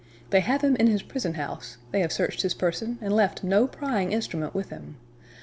They have him in his prison house; they have searched his person, and left no prying instrument with him.